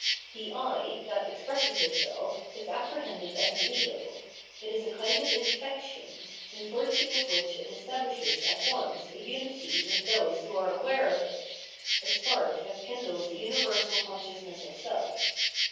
The I, that ex presses itself, is apprehended as an ego ; it is a kind of infection, in virtue of which it establishes at once a unity with those who are aware of it, a spark that kindles a universal consciousness of seif.